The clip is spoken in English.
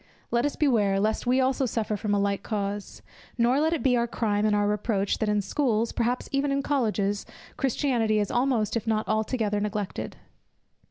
Let us beware, lest we also suffer from a like cause; nor let it be our crime and our reproach, that in schools, perhaps even in Colleges, Christianity is almost if not altogether neglected.